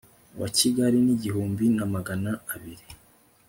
wa Kigali n igihumbi na magana abiri